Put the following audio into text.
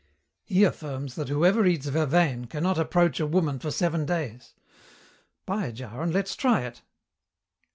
He affirms that whoever eats vervain cannot approach a woman for seven days. Buy a jar, and let's try it."